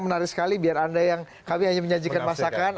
menarik sekali biar anda yang kami hanya menyajikan masakan